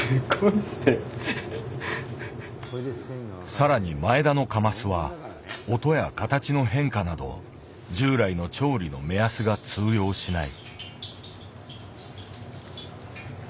更に前田のカマスは音や形の変化など従来の調理の目安が通用しない。